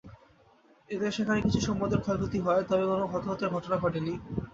এতে সেখানে কিছু সম্পদের ক্ষয়ক্ষতি হয় তবে কোনো হতাহতের ঘটনা ঘটেনি।